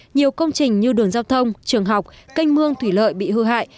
nhiều công trình như đường giao thông trường học canh mương thủy lợi bị hư hại